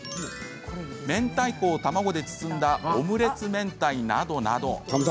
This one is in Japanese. めんたいこを卵で包んだオムレツめんたいなどなど。